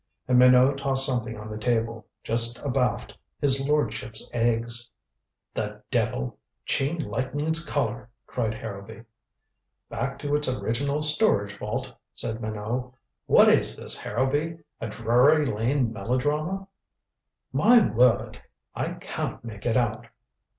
And Minot tossed something on the table, just abaft his lordship's eggs. "The devil! Chain Lightning's Collar!" cried Harrowby. "Back to its original storage vault," said Minot. "What is this, Harrowby? A Drury Lane melodrama?" "My word. I can't make it out."